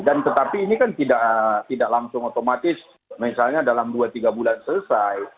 dan tetapi ini kan tidak langsung otomatis misalnya dalam dua tiga bulan selesai